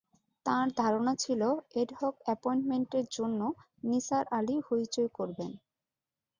তাঁর ধারণা ছিল এডহক অ্যাপয়েন্টমেন্টের জন্যে নিসার আলি হৈচৈ করবেন।